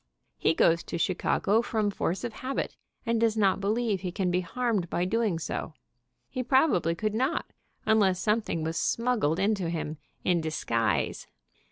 He goes to Chicago from force of habit, and does not believe he can be harmed by so doing. He probably could not, unless something was smuggled into him in "disguise.